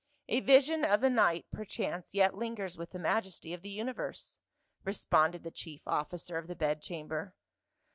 " A vision of the night perchance yet lingers with the majesty of the universe," responded the chief offi cer of the bed chamber.